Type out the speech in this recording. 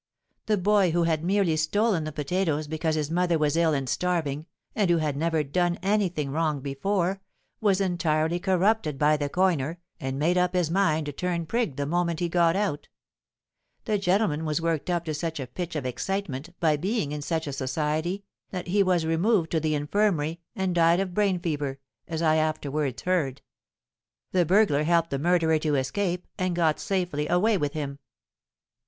The boy, who had merely stolen the potatoes because his mother was ill and starving, and who had never done any thing wrong before, was entirely corrupted by the coiner, and made up his mind to turn prig the moment he got out;—the gentleman was worked up to such a pitch of excitement, by being in such society, that he was removed to the infirmary, and died of brain fever, as I afterwards heard;—the burglar helped the murderer to escape, and got safely away with him!